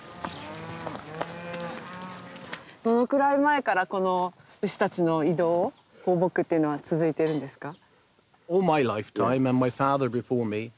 どのくらい前からこの牛たちの移動放牧っていうのは続いてるんですか？